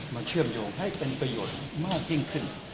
เชื่อมโยงให้เป็นประโยชน์มากยิ่งขึ้น